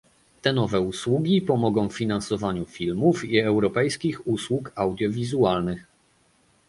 Te nowe usługi pomogą w finansowaniu filmów i europejskich usług audiowizualnych